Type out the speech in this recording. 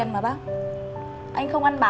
đi ra khỏi nhà